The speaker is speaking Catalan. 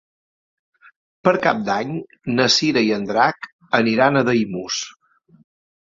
Per Cap d'Any na Cira i en Drac aniran a Daimús.